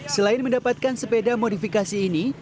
selain mendapatkan sepeda modifikasi ini